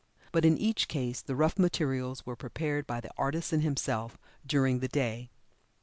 But in each case the rough materials were prepared by the artisan himself during the day.